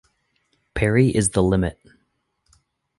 Pari is the limit.